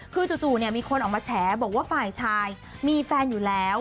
คือจู่มีคนออกมาแฉบอกว่าฝ่ายชายมีแฟนอยู่แล้ว